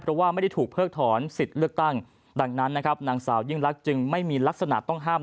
เพราะว่าไม่ได้ถูกเพิกถอนสิทธิ์เลือกตั้งดังนั้นนะครับนางสาวยิ่งลักษ์จึงไม่มีลักษณะต้องห้าม